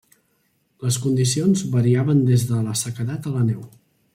Les condicions variaven des de la sequedat a la neu.